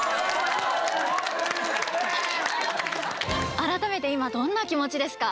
改めて今どんな気持ちですか？